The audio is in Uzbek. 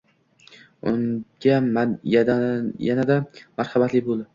Unga yanada marhamatli bo'l